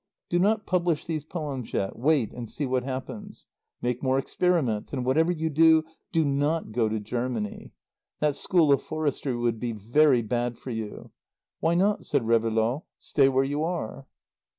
Do not publish these poems yet. Wait and see what happens. Make more experiments. And whatever you do, do not go to Germany. That School of Forestry would be very bad for you. Why not," said Réveillaud, "stay where you are?"